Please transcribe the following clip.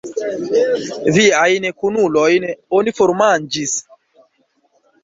Viajn kunulojn oni formanĝis!